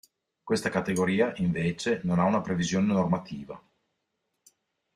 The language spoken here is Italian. Questa categoria invece non ha una previsione normativa.